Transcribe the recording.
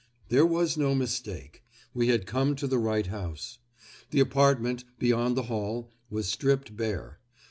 There was no mistake. We had come to the right house. The apartment, beyond the hall, was stripped bare.